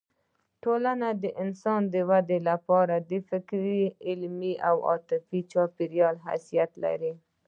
ټولنه د انسان د ودې لپاره د فکري، علمي او عاطفي چاپېریال حیثیت لري.